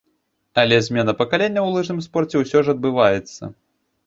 Але змена пакаленняў у лыжным спорце ўсё ж адбываецца.